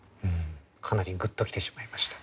かなりグッときてしまいました。